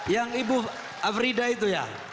yang ibu afrida itu ya